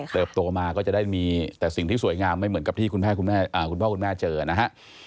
โตมาก็จะได้มีแต่สิ่งที่สวยงามไม่เหมือนกับที่คุณพ่อคุณแม่เจอนะฮะ